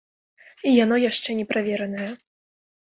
І яно яшчэ не праверанае.